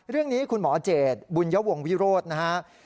เรื่องนี้คุณหมอเจดบุญยวงวิโรธนะครับ